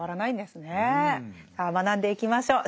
さあ学んでいきましょう。